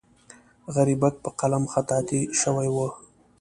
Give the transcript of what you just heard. غریبک په قلم خطاطي شوې وه.